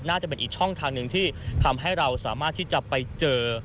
น่าจะเป็นอีกช่องทางหนึ่งที่ทำให้เราสามารถที่จะไปเจอ